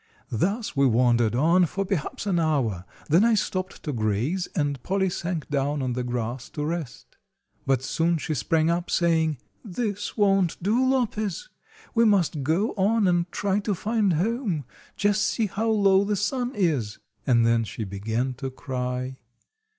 Thus we wandered on for perhaps an hour, then I stopped to graze, and Polly sank down on the grass to rest. But soon she sprang up, saying: "This won't do, Lopez; we must go on and try to find home. Just see how low the sun is." And then she began to cry.